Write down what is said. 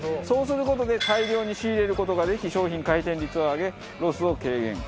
そうする事で大量に仕入れる事ができ商品回転率を上げロスを軽減。